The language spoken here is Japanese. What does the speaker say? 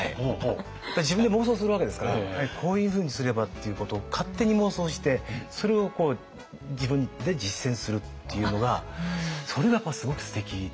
自分で妄想するわけですからこういうふうにすればっていうことを勝手に妄想してそれを自分で実践するっていうのがそれがやっぱりすごくすてきで。